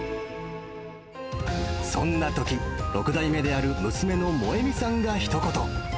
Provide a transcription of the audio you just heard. そんな時、６代目である娘の萌美さんがひと言。